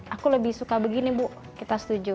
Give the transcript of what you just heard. aku lebih suka begini bu kita setuju